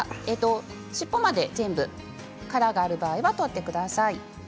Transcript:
尻尾まで全部殻がある場合は取ってください。